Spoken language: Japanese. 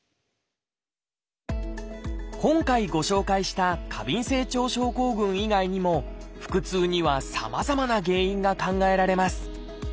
今回ご紹介した過敏性腸症候群以外にも腹痛にはさまざまな原因が考えられます